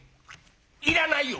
「いらないよ！」。